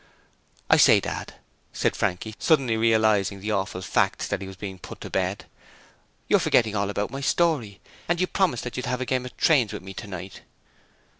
'I say, Dad,' said Frankie, suddenly realizing the awful fact that he was being put to bed. 'You're forgetting all about my story, and you promised that you'd have a game of trains with me tonight.'